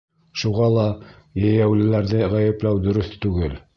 Шуға ла йәйәүлеләрҙе ғәйепләү дөрөҫ түгел.